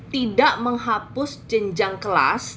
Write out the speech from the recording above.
tidak menghapus jenjang kelas